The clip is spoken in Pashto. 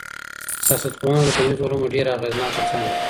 سياستپوهنه د ټولنيزو علومو ډېره اغېزناکه څانګه ده.